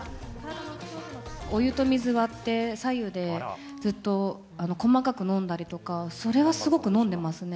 お湯と水割って、さ湯でずっと細かく飲んだりとか、それはすごく飲んでますね。